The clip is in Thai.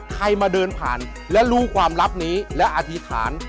ใครมาเดินผ่านและรู้ความลับนี้และอธิษฐาน